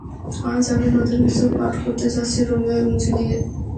আজ আমরা নতুন কিছু পাঠ করতে যাচ্ছি - রোমিও এবং জুলিয়েট।